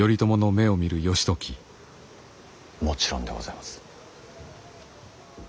もちろんでございます。